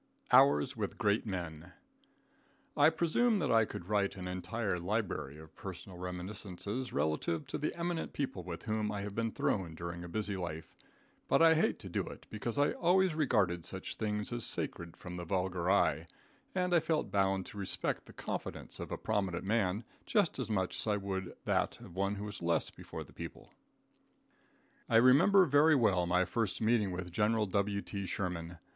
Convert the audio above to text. Hours With Great Men. I presume that I could write an entire library of personal reminiscences relative to the eminent people with whom I have been thrown during a busy life, but I hate to do it, because I always regarded such things as sacred from the vulgar eye, and I felt bound to respect the confidence of a prominent man just as much as I would that of one who was less before the people. I remember very well my first meeting with General W.T. Sherman.